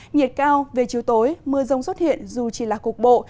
nhiệt cao về chiều tối mưa rông xuất hiện dù chỉ là cục bộ